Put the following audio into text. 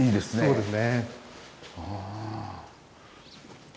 そうですね